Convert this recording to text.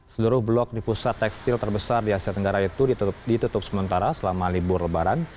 seluruh blok di pusat tekstil terbesar di asia tenggara itu ditutup sementara selama libur lebaran